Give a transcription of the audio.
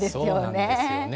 そうなんですよね。